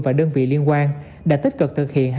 và đơn vị liên quan đã tích cực thực hiện